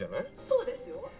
そうですよ。